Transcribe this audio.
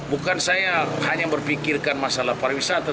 bukan saya hanya berpikirkan masalah pariwisata